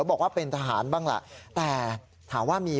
พระขู่คนที่เข้าไปคุยกับพระรูปนี้